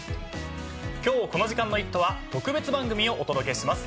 今日この時間の『イット！』は特別番組をお届けします。